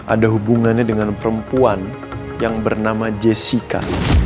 ada hubungannya dengan perempuan yang bernama jessica